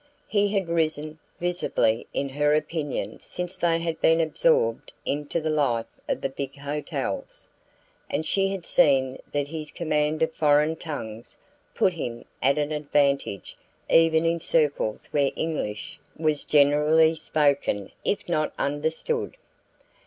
He had risen visibly in her opinion since they had been absorbed into the life of the big hotels, and she had seen that his command of foreign tongues put him at an advantage even in circles where English was generally spoken if not understood.